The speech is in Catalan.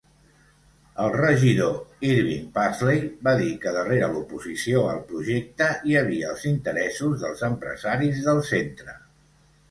El regidor Irving Paisley va dir que darrere l'oposició al projecte hi havia els interessos dels empresaris del centre.